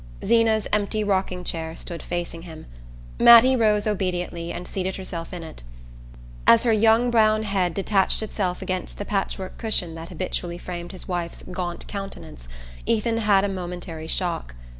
Zeena's empty rocking chair stood facing him. Mattie rose obediently, and seated herself in it. As her young brown head detached itself against the patch work cushion that habitually framed his wife's gaunt countenance, Ethan had a momentary shock.